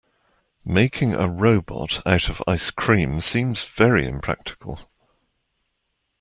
Making a robot out of ice cream seems very impractical.